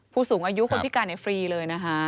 ผู้สูงอายุคนพิการฟรีเลยนะคะ